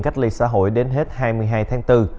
cách ly xã hội đến hết hai mươi hai tháng bốn